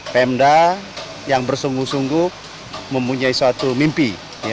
pemda yang bersungguh sungguh mempunyai suatu mimpi